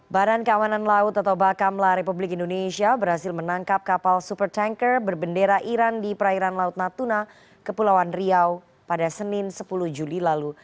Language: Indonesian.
badan keamanan laut atau bakamla republik indonesia berhasil menangkap kapal supertanker berbendera iran di perairan laut natuna kepulauan riau pada senin sepuluh juli lalu